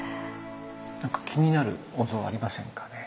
何か気になるお像ありませんかね？